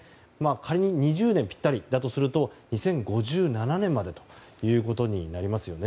仮に２０年ぴったりだとすると２０５７年までということになりますよね。